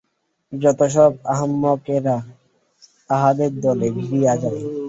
যত সব আহাম্মকেরা তাহাদের দলে ভিড়িয়া যায়।